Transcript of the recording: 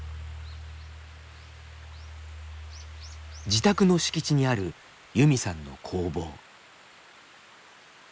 自宅の敷地にあるユミさんの工房。